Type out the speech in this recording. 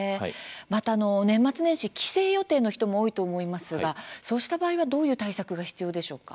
また、年末年始、帰省予定の人も多いと思いますがそうした場合はどういう対策が必要でしょうか。